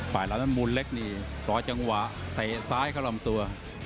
ฝ่ายแล้วมันมุนเล็กนี่ลอยจังหวะเตะซ้ายเข้าลำตัว